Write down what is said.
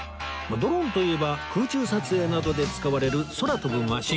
ドローンといえば空中撮影などで使われる空飛ぶマシン